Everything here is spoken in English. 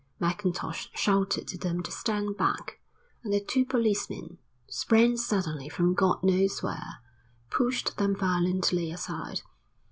Mackintosh shouted to them to stand back and the two policemen, sprang suddenly from God knows where, pushed them violently aside.